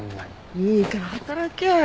いいから働け。